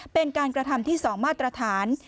เป็นการกระทำที่๒มาตรฐาน